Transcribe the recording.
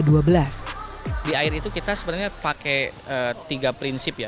di air itu kita sebenarnya pakai tiga prinsip ya